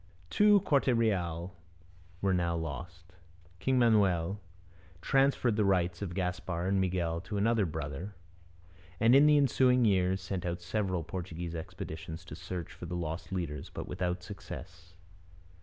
Two Corte Reals were now lost. King Manoel transferred the rights of Gaspar and Miguel to another brother, and in the ensuing years sent out several Portuguese expeditions to search for the lost leaders, but without success.